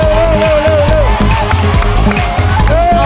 เร็วเร็วเร็ว